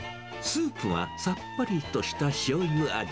スープは、さっぱりとしたしょうゆ味。